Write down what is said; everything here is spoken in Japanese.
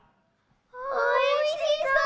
おいしそう。